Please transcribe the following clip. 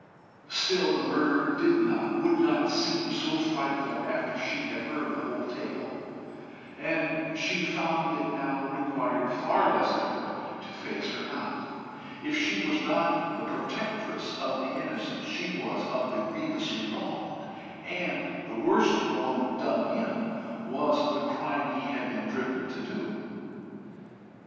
Still the murder did not, would not seem so frightful after she had heard the whole tale, and she found it now required far less effort to face her aunt. If she was not the protectress of the innocent, she was of the grievously wronged, and the worst wrong done him was the crime he had been driven to do.